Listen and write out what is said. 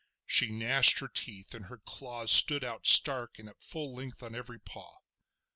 She gnashed her teeth, and her claws stood out stark and at full length on every paw.